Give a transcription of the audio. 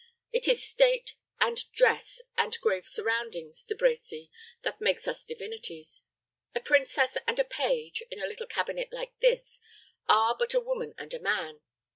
It is state, and dress, and grave surroundings, De Brecy, that makes us divinities. A princess and a page, in a little cabinet like this, are but a woman and a man.